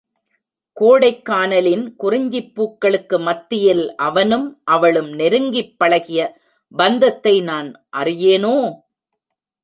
கோடைக்கானலில் குறிஞ்சிப் பூக்களுக்கு மத்தியில் அவனும் அவளும் நெருங்கிப் பழகிய பந்தத்தை நான் அறியேனோ?